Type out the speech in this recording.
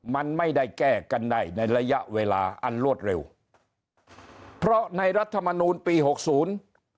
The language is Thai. มันไม่ได้แก้กันได้ในระยะเวลาอันรวดเร็วเพราะในรัฐมนูลปีหกศูนย์